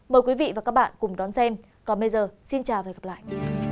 mời quý vị và các bạn cùng đón xem còn bây giờ xin chào và hẹn gặp lại